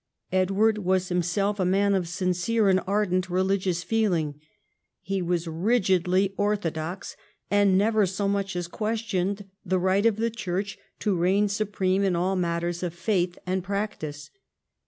Edward was himself a man of sincere and ardent religious feeling. He was rigidly orthodox, and never so much as questioned the right of the Church to reign supreme in all matters of faith and practice.